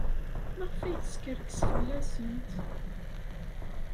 Maɣef ay teskerkes fell-asent?